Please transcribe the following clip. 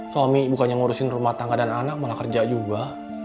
suami bukannya ngurusin rumah tangga dan anak malah kerja juga